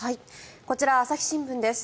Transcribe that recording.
こちら、朝日新聞です。